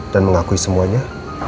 dan mengakui semuanya